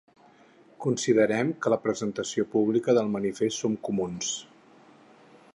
Considerem que la presentació pública del manifest Som comuns.